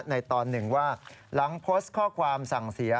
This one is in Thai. ตอนหนึ่งว่าหลังโพสต์ข้อความสั่งเสีย